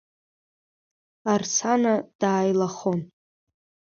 Арсана дааилахон.